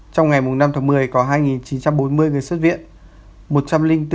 trong ngày năm tháng một mươi có hai chín trăm bốn mươi người xuất viện